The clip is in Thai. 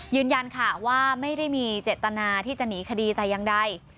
ยืนยันค่ะว่าไม่ได้มีเจตนาที่จะหนีคดีแต่อย่างใด